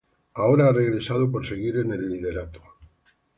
Ahora ha regresado por seguir en el liderato.